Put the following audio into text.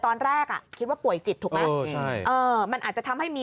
ตอนแรกอ่ะคิดว่าป่วยจิตถูกไหมใช่เออมันอาจจะทำให้มี